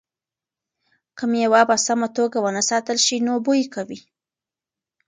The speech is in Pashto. که مېوه په سمه توګه ونه ساتل شي نو بوی کوي.